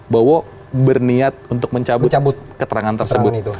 bowo berniat untuk mencabut keterangan tersebut